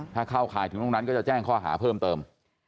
ถ้าเข้าข่ายถึงตรงนั้นก็จะแจ้งข้อหาเพิ่มเติม